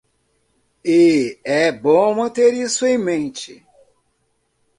E é bom manter isso em mente.